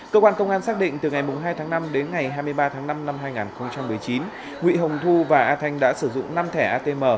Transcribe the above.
cơ quan công an xác định từ ngày hai tháng năm đến ngày hai mươi ba tháng năm năm hai nghìn một mươi chín nguyễn hồng thu và a thanh đã sử dụng năm thẻ atm